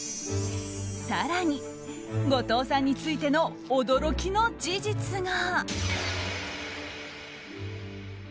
更に、後藤さんについての驚きの事実が。